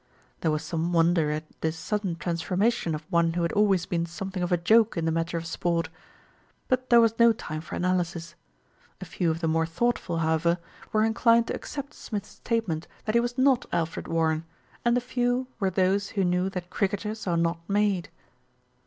There was some wonder at this sudden transformation of one who had always been something of a joke in the matter of sport; but there was no time for analysis. A few of the more thought ful, however, were inclined to accept Smith's statement 206 THE RETURN OF ALFRED that he was not Alfred Warren, and the few were those who knew that cricketers are not made.